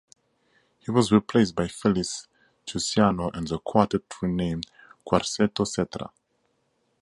He was replaced by Felice Chiusano and the quartet renamed Quartetto Cetra.